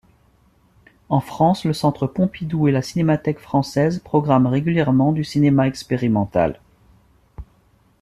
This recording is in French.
En France le Centre Pompidou et la Cinémathèque française programment régulièrement du cinéma expérimental.